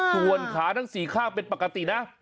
ส่วนขาทั้ง๔ข้างเป็นปกตินะ